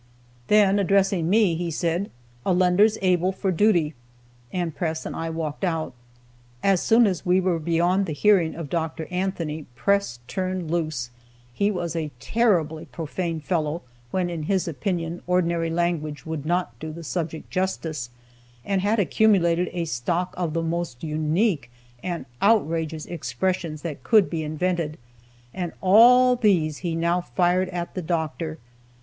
Then addressing me, he said: "Allender's able for duty;" and Press and I walked out. As soon as we were beyond the hearing of Dr. Anthony, Press turned loose. He was a terribly profane fellow when, in his opinion, ordinary language would not do the subject justice, and had accumulated a stock of the most unique and outrageous expressions that could be invented, and all these he now fired at the Doctor.